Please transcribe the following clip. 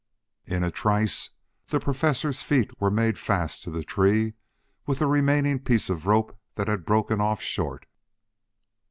In a trice the Professor's feet were made fast to the tree with the remaining piece of rope that had broken off short.